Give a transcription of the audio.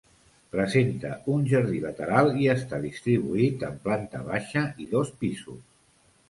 Presenta un jardí lateral i està distribuït en planta baixa i dos pisos.